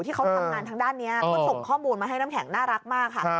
ที่เขาทำงานทางด้านนี้เขาส่งข้อมูลมาให้น้ำแข็งน่ารักมากค่ะ